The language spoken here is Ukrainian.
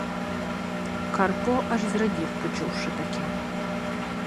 Карпо аж зрадів, почувши таке.